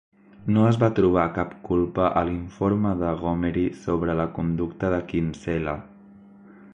no es va trobar cap culpa a l'informe de Gomery sobre la conducta de Kinsella.